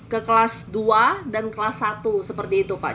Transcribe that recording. ke kelas dua dan kelas satu seperti itu pak